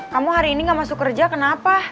kamu hari ini gak masuk kerja kenapa